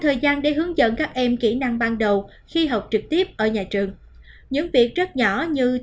thời gian để hướng dẫn các em kỹ năng ban đầu khi học trực tiếp ở nhà trường những việc rất nhỏ như